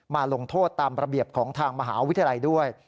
ลงโทษตามระเบียบของทางมหาวิทยาลัยด้วย